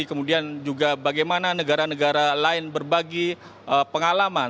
kemudian juga bagaimana negara negara lain berbagi pengalaman